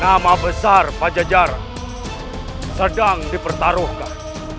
nama besar pajajar sedang dipertaruhkan